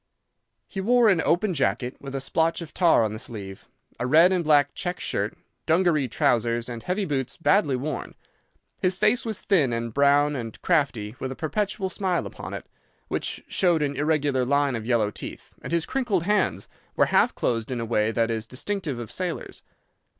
He wore an open jacket, with a splotch of tar on the sleeve, a red and black check shirt, dungaree trousers, and heavy boots badly worn. His face was thin and brown and crafty, with a perpetual smile upon it, which showed an irregular line of yellow teeth, and his crinkled hands were half closed in a way that is distinctive of sailors.